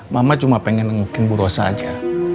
mama cuma pengen ngekembur rosa aja